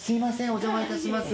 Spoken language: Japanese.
お邪魔いたします。